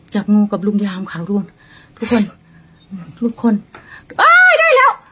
จับโง่กับลูกยามขาวร่วมทุกคนทุกคนอ่าได้แล้ว